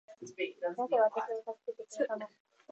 なぜ私を助けてくれたの